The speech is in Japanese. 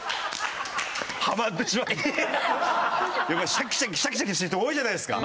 シャキシャキシャキシャキしてる人多いじゃないですか。